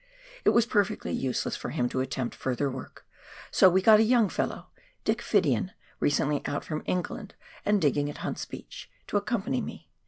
It was perfectly useless for him to attempt further work, so we got a young fellow — Dick Fiddian, recently out from England, and digging at Hunt's Beach — to accom pany me.